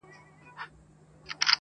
او پای پوښتنه پرېږدي